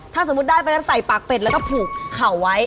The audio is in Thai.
ถ้าสมมุติได้ไปแล้วใส่ปากเป็ดแล้วก็ผูกเข่าไว้